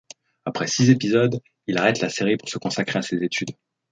Après six épisodes, il arrête la série pour se consacrer à ses études.